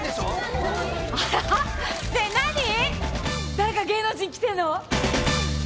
誰か芸能人来てんの？